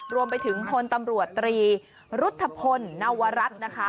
รวมไปถึงพลตำรวจตรีรุธพลนวรัฐนะคะ